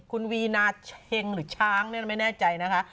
คุณวีนาเช็งหรือช้างเนี่ยไม่แน่ใจนะคะ